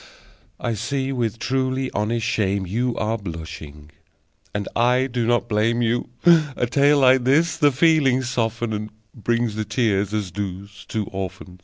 (I see with truly honest shame you Are blushing, and I do not blame you. A tale like this the feelings softens, And brings the tears, as does "Two Orphans.")